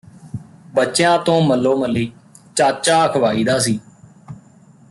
ਬੱਚਿਆ ਤੋਂ ਮੱਲੋ ਮੱਲੀ ਚਾਚਾ ਅਖਵਾਈਦਾ ਸੀ